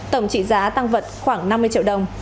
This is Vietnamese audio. tổng trị giá tăng vật khoảng năm mươi triệu đồng